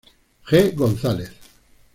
G. González.